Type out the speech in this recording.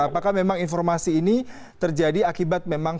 apakah memang informasi ini terjadi akibat memang